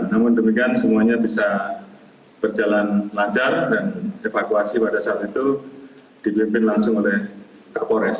namun demikian semuanya bisa berjalan lancar dan evakuasi pada saat itu dipimpin langsung oleh kapolres